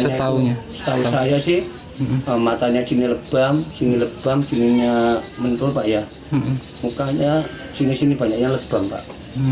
setau saya sih matanya sini lebam sini lebam sininya mentul pak ya mukanya sini sini banyaknya lebam pak